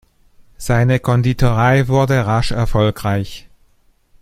Seine Konditorei wurde rasch erfolgreich.